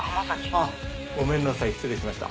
あっごめんなさい失礼しました。